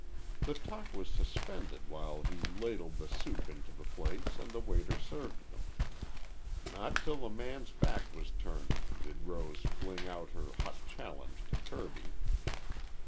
The talk was suspended while he ladled the soup into the plates and the waiter served them. Not till the man's back was turned did Rose fling out her hot challenge to Kirby.